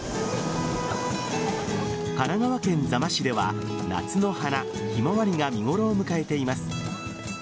神奈川県座間市では夏の花・ひまわりが見頃を迎えています。